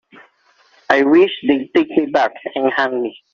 I wish they'd take me back and hang me.